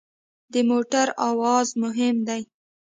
د موټر اواز مهم دی.